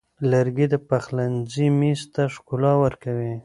لرګی د پخلنځي میز ته ښکلا ورکوي.